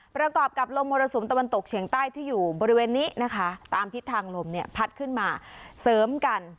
ประกอบกับลมมรสุมตะวันตกเฉียงใต้ที่อยู่บริเวณนี้นะคะตามทิศทางลมเนี่ยพัดขึ้นมาเสริมกัน